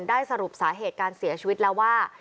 ได้สรุปสาเหตุการเสียชีวิตแล้วว่า